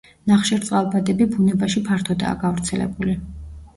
ნახშირწყალბადები ბუნებაში ფართოდაა გავრცელებული.